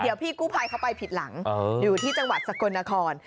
เดี๋ยวพี่กู้ภัยเขาไปผิดหลังอยู่ที่จังหวัดสกลนคร